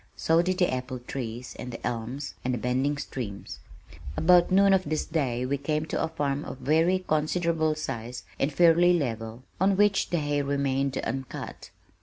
So did the apple trees and the elms and the bending streams. About noon of this day we came to a farm of very considerable size and fairly level, on which the hay remained uncut.